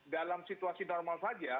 dalam situasi normal saja